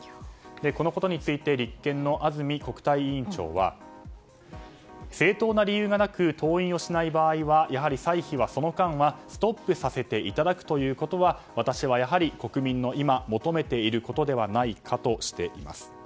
このことについて立憲の安住国対委員長は正当な理由がなく登院をしない場合はやはり歳費はその間はストップさせていただくということは私はやはり、国民の今、求めていることではないかとしています。